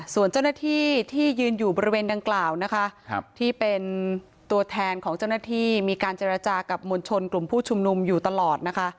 ส่วนเจ้าหน้าที่ที่ยืนอยู่บริเวณดังกล่าวนะคะที่เป็นตัวแทนของเจ้าหน้าที่มีการเจรจากับมวลชนกลุ่มผู้ชุมนุมอยู่ตลอดนะคะ